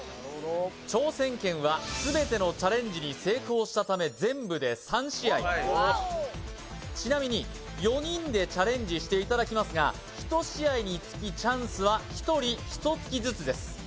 挑戦権は全てのチャレンジに成功したため全部で３試合ちなみに４人でチャレンジしていただきますが１試合につきチャンスは１人１突きずつです